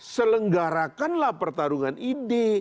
selenggarakanlah pertarungan ide